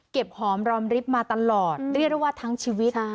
หอมรอมริบมาตลอดเรียกได้ว่าทั้งชีวิต